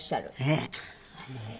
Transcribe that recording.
ええ。